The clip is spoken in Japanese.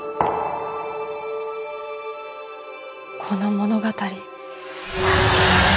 この物語。